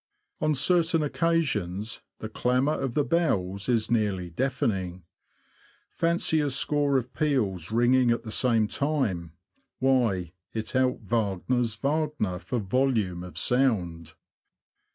On certain occasions the clamour of the bells is nearly deafening. Fancy a score of peals ringing at the same time !— why, it out Wagners Wagner for volume of sound.